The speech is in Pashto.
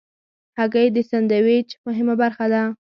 هګۍ د سندویچ مهمه برخه ده.